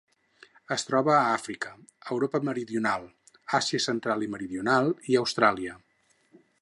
Es troba a Àfrica, Europa meridional, Àsia central i meridional i Austràlia.